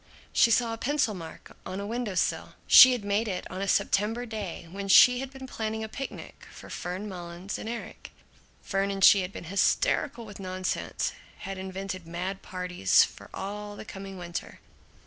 She saw a pencil mark on a window sill. She had made it on a September day when she had been planning a picnic for Fern Mullins and Erik. Fern and she had been hysterical with nonsense, had invented mad parties for all the coming winter.